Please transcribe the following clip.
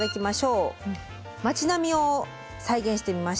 町並みを再現してみました。